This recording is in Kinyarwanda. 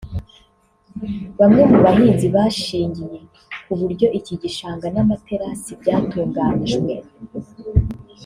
Bamwe mu bahinzi bashingiye ku buryo iki gishanga n’amaterasi byatunganyijwe